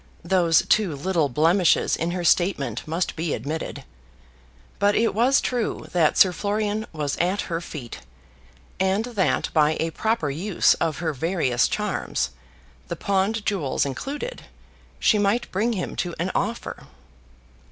Those two little blemishes in her statement must be admitted. But it was true that Sir Florian was at her feet, and that by a proper use of her various charms, the pawned jewels included, she might bring him to an offer.